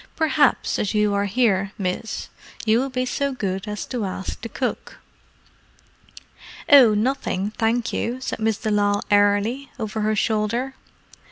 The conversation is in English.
Perhaps, as you are here, miss, you would be so good as to ask the cook?" "Oh—nothing, thank you," said Miss de Lisle airily, over her shoulder. Mrs.